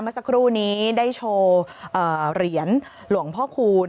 เมื่อสักครู่นี้ได้โชว์เหรียญหลวงพ่อคูณ